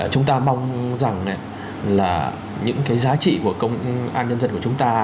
chúng ta mong rằng là những cái giá trị của công an nhân dân của chúng ta